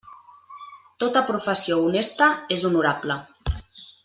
Tota professió honesta és honorable.